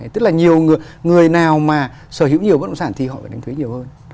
tức là nhiều người nào mà sở hữu nhiều bất động sản thì họ phải đánh thuế nhiều hơn